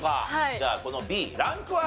じゃあこのＢランクは？